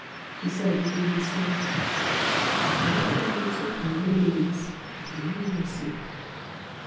He said within himself "I hold the lives of millions at my mercy!"